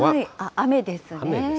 雨ですね。